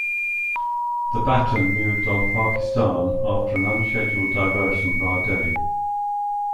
The Baton moved on Pakistan after an unscheduled diversion via Delhi.